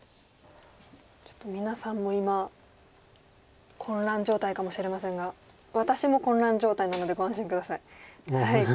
ちょっと皆さんも今混乱状態かもしれませんが私も混乱状態なのでご安心下さい。